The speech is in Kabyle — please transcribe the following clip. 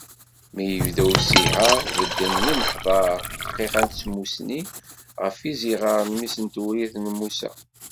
Mi yebda usihar, bedden yimeḥḍar ddqiqa n tsusmi ɣef yiẓiɣer n mmi-s n Tewrirt Musa.